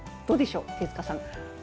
どうでしょう、手塚さん。